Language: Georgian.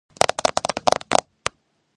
ფასადები უხვადაა მოჩუქურთმებული.